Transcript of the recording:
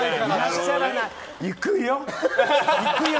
行くよ！